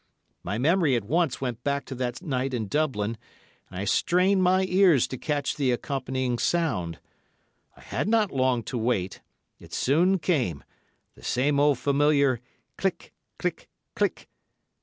My memory at once went back to that night in Dublin, and I strained my ears to catch the accompanying sound. I had not long to wait—it soon came, the same old familiar click, click, click!